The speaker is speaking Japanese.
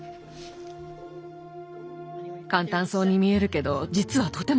簡単そうに見えるけど実はとても難しいの。